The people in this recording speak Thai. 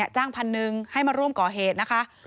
จ้างพันหนึ่งให้มาร่วมก่อเหตุนะคะ